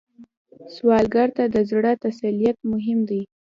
سوالګر ته د زړه تسلیت مهم دی